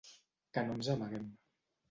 Que no ens amaguem.